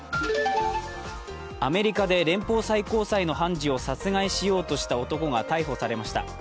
アメリカで連邦最高裁の判事を殺害しようとした男が逮捕されました。